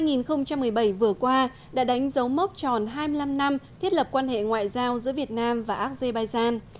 năm hai nghìn một mươi bảy vừa qua đã đánh dấu mốc tròn hai mươi năm năm thiết lập quan hệ ngoại giao giữa việt nam và azerbaijan